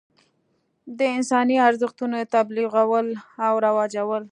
د انساني ارزښتونو تبلیغول او رواجول.